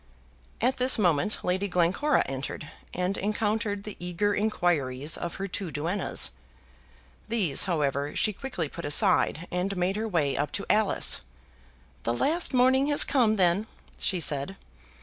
At this moment Lady Glencora entered, and encountered the eager inquiries of her two duennas. These, however, she quickly put aside, and made her way up to Alice. "The last morning has come, then," she said.